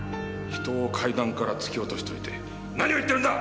人を階段から突き落としといて何を言ってるんだ！